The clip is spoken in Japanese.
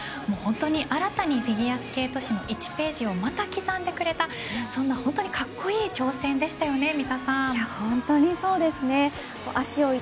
本当に新たにフィギュアスケート史の１ページをまた刻んでくれたそんな格好いい挑戦でしたよね。